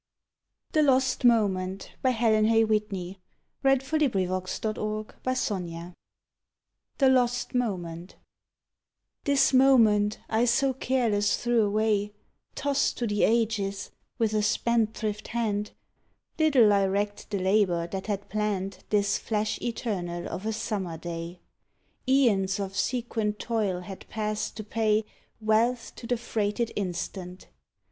g city or soft country lanes, Now never more may Spring and Autumn meet. THE LOST MOMENT This moment I so careless threw away, Tossed to the ages, with a spendthrift hand, Little I recked the labour that had planned This flash eternal of a Summer day; Æons of sequent toil had passed to pay Wealth to the freighted instant.